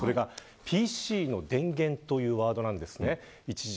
ＰＣの電源というワードです。